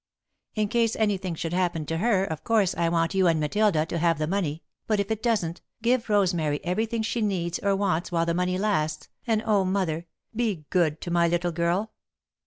In case anything should happen to her, of course I would want you and Matilda to have the money, but if it doesn't, give Rosemary everything she needs or wants while the money lasts, and oh, mother, be good to my little girl!